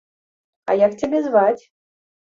А як цябе зваць?